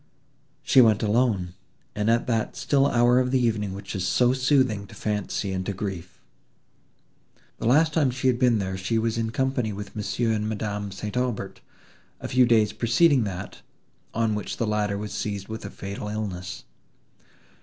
She went alone, and at that still hour of the evening which is so soothing to fancy and to grief. The last time she had been here she was in company with Monsieur and Madame St. Aubert, a few days preceding that, on which the latter was seized with a fatal illness.